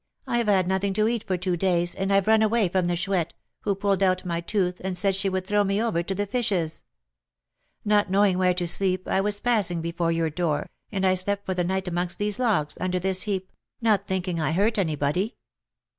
I have had nothing to eat for two days, and I've run away from the Chouette, who pulled out my tooth, and said she would throw me over to the fishes. Not knowing where to sleep, I was passing before your door, and I slept for the night amongst these logs, under this heap, not thinking I hurt anybody.'